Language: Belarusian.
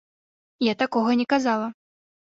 Я такога не казала.